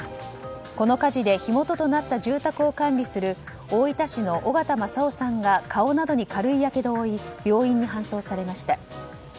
この火事で火元となった住宅を管理する大分市の緒方正夫さんが顔などに軽いやけどを負い病院に搬送されました。